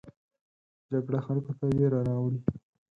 جګړه خلکو ته ویره راوړي